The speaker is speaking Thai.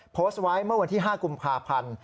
โพสต์ไว้เมื่อวันที่๕กุมภาพันธ์